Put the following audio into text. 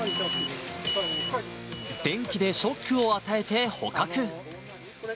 電気でショックを与えて捕獲。